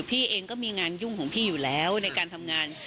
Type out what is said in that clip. พี่เองก็มีงานยุ่งของพี่อยู่แล้วในการทำงาน